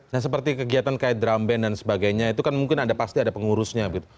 nah seperti kegiatan kayak drum band dan sebagainya itu kan mungkin ada pasti ada pengurusnya gitu